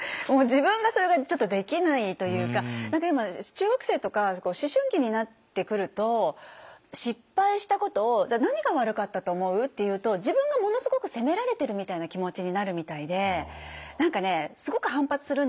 自分がそれができないというか中学生とか思春期になってくると失敗したことを「何が悪かったと思う？」って言うと自分がものすごく責められてるみたいな気持ちになるみたいで何かねすごく反発するんですよ。